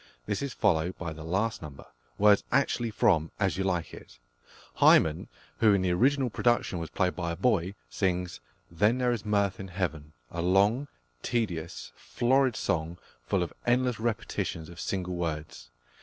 This is followed by the last number, words actually from As You Like It. Hymen, who in the original production was played by a boy, sings "Then is there mirth in heaven," a long, tedious, florid song, full of endless repetitions of single words.